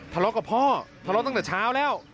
ทะเลาะกับพ่อทะเลาะตั้งแต่เช้าแล้ว